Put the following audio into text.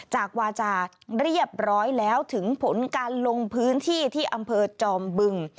จากวาจาเรียบร้อยแล้วถึงผลการลงพื้นที่ที่อำเภอจอมบึง